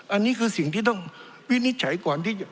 อันนี้คือสิ่งที่ต้องวินิจฉัยก่อนที่จะ